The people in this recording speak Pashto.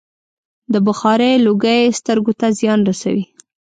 د بخارۍ لوګی سترګو ته زیان رسوي.